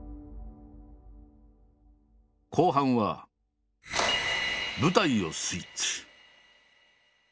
後半は舞台をスイッチ。